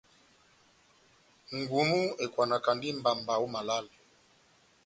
Ngunu ekwanakandi mbamba ό malale.